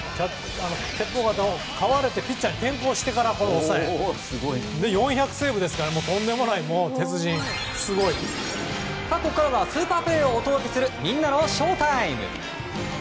鉄砲肩を買われてピッチャーに転向してから抑えてセーブも上げてここからはスーパープレーをお届けするみんなのＳＨＯＷＴＩＭＥ。